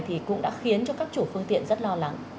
thì cũng đã khiến cho các chủ phương tiện rất lo lắng